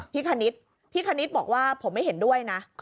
คณิตพี่คณิตบอกว่าผมไม่เห็นด้วยนะ